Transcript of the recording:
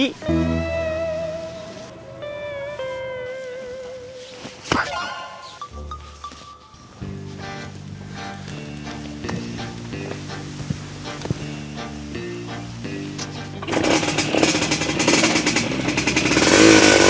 pake pake udah ngelamun